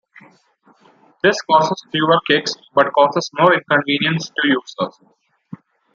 This causes fewer kicks, but causes more inconvenience to users.